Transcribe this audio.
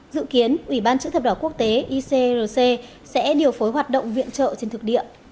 dự kiến ủy ban chữ thập đỏ quốc tế icrc sẽ điều phối hoạt động viện trợ trên thực địa